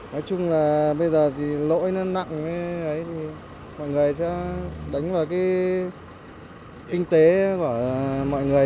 nói chung là bây giờ thì lỗi nó nặng với đấy thì mọi người sẽ đánh vào cái kinh tế của mọi người